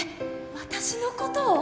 私のことを？